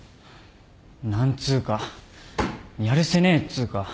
何つうかやるせねえっつうか。